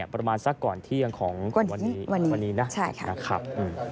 ประมาณสักก่อนเที่ยงของวันนี้นะครับ